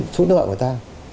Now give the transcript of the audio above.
số nợ của người ta